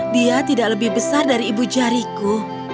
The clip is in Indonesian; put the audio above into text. dia tidak lebih besar dari ibu jariku